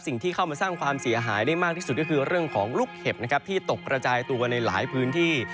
สิ่งที่เข้ามาสร้างความเสียหายได้มากที่สุดก็คือเรื่องของลูกเห็บนะครับที่ตกกระจายตัวในหลายพื้นที่